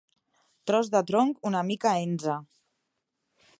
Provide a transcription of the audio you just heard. Tros de tronc una mica enze.